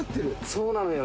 そうなのよ。